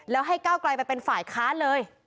แล้วให้ก้าวไกลไปเป็นฝ่ายค้านเลย